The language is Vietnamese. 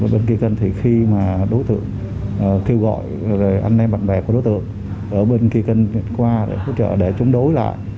bên kia kênh thì khi mà đối tượng kêu gọi anh em bạn bè của đối tượng ở bên kia kênh qua để hỗ trợ để chống đối lại